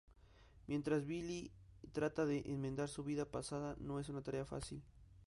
Mientras Billy trata de enmendar su vida pasada, no es una tarea fácil.